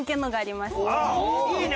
いいね！